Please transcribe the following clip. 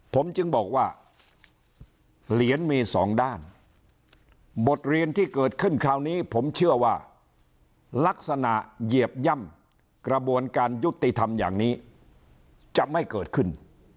ผมจึงบอกว่าเหรียญมีสองด้านบทเรียนที่เกิดขึ้นคราวนี้ผมเชื่อว่าลักษณะเหยียบย่ำกระบวนการยุติธรรมอย่างนี้จะไม่เกิดขึ้น